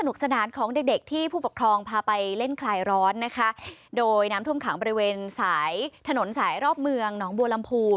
สนานของเด็กเด็กที่ผู้ปกครองพาไปเล่นคลายร้อนนะคะโดยน้ำท่วมขังบริเวณสายถนนสายรอบเมืองหนองบัวลำพู